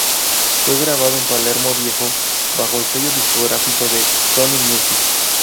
Fue grabado en Palermo Viejo, bajo el sello discográfico de Sony Music.